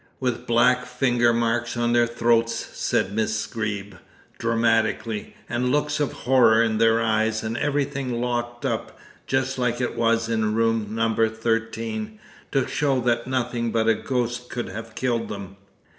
"With black finger marks on their throats," said Miss Greeb dramatically, "and looks of horror in their eyes, and everything locked up, just like it was in No. 13, to show that nothing but a ghost could have killed them."